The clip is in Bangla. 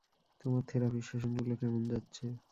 তোমার থেরাপির সেশনগুলো কেমন যাচ্ছে?